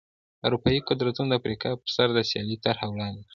اروپايي قدرتونو د افریقا پر سر د سیالۍ طرحه وړاندې کړه.